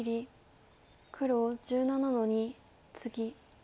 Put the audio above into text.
黒１７の二ツギ。